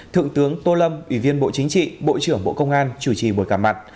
thượng tướng tô lâm ủy viên bộ chính trị bộ trưởng bộ công an chủ trì bộ cảm mặt